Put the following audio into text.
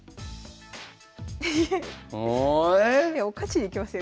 勝ちにいきますよ